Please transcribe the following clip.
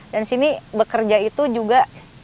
dan disini bekerja itu juga